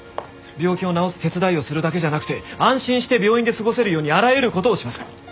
病気を治す手伝いをするだけじゃなくて安心して病院で過ごせるようにあらゆる事をします。